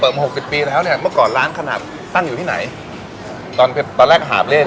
เริ่มมีร้านใหญ่มากขี้เมื่อปีไหนครับ